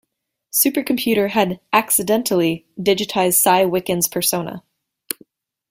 Supercomputer had "accidentally" digitized Sy Wickens' persona.